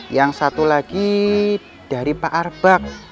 yang satu lagi dari pak arbak